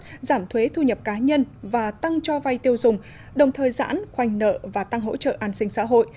giảm lại xuất giảm thuế thu nhập cá nhân và tăng cho vay tiêu dùng đồng thời giãn khoanh nợ và tăng hỗ trợ an sinh xã hội